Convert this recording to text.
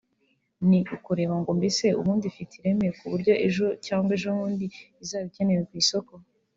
ni kureba ngo mbese ubundi ifite ireme ku buryo ejo cyangwa ejobundi izaba ikenewe ku isoko”